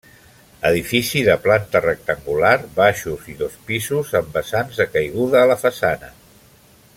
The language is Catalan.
Edifici de planta rectangular, baixos i dos pisos, amb vessants de caiguda a la façana.